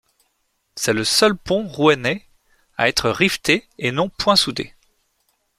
C'est le seul pont rouennais à être riveté et non point soudé.